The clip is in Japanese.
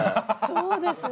そうですね。